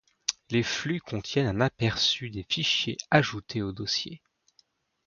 Les flux contiennent un aperçu des fichiers ajoutés aux dossiers.